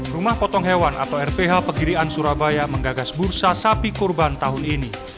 rumah potong hewan atau rph pegirian surabaya menggagas bursa sapi kurban tahun ini